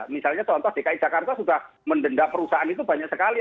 misalnya contoh dki jakarta sudah mendenda perusahaan itu banyak sekali